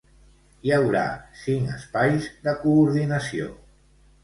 Hi haurà cinc espais de coordinació.